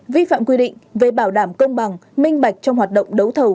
vi phạm quy định về bảo đảm công bằng minh bạch trong hoạt động đấu thầu